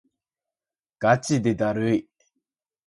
ガチでだるい